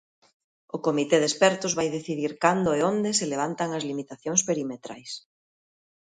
O comité de expertos vai decidir cando e onde se levantan as limitacións perimetrais.